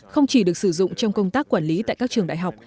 không chỉ được sử dụng trong công tác quản lý tại các trường đại học